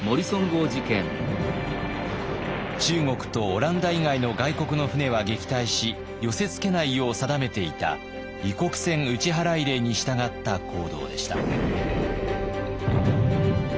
中国とオランダ以外の外国の船は撃退し寄せ付けないよう定めていた異国船打払令に従った行動でした。